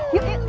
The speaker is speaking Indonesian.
yuk yuk yuk